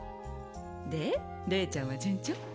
で玲ちゃんは順調？